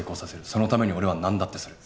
そのために俺はなんだってする。